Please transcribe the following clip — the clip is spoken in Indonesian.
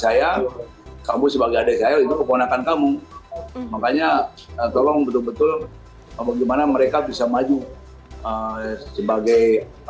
adik saya itu keponakan kamu makanya tolong betul betul bagaimana mereka bisa maju sebagai